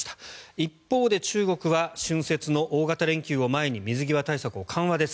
一方で中国は春節の大型連休を前に水際対策を緩和です。